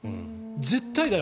絶対だよ。